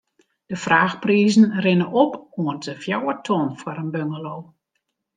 De fraachprizen rinne op oant de fjouwer ton foar in bungalow.